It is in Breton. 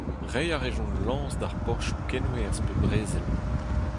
Reiñ a rejont lañs d'ar porzhioù kenwerzh pe brezel.